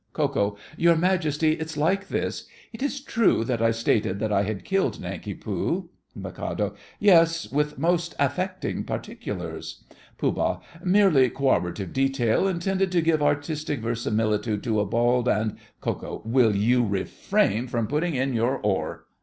KO. Your Majesty, it's like this: It is true that I stated that I had killed Nanki Poo—— MIK. Yes, with most affecting particulars. POOH. Merely corroborative detail intended to give artistic verisimilitude to a bald and—— KO. Will you refrain from putting in your oar?